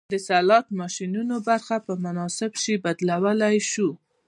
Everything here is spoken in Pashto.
د سلاټ ماشینونو برخه په مناسب شي بدلولی شو